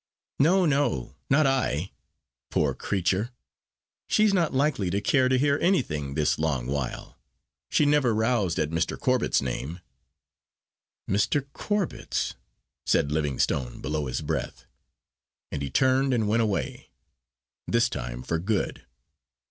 "No, no! not I! Poor creature, she's not likely to care to hear anything this long while. She never roused at Mr. Corbet's name." "Mr. Corbet's!" said Livingstone, below his breath, and he turned and went away; this time for good.